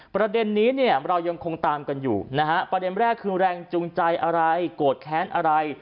ประเด็นนี้เนี่ยเรายังคงตามกันอยู่นะฮะประเด็นแรกคือแรงจูงใจอะไรโกรธแค้นอะไร